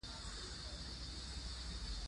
موږ خپلو هيلو ته د رسيدا لپاره هڅې کوو.